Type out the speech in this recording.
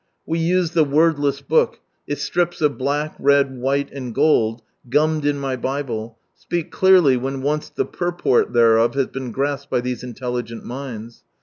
Wc used the " Wordless book "; its strips of black, red, white, and gold, gummed in my Bible, speak clearly when once the purport thereof has been grasped by these intelligent minds.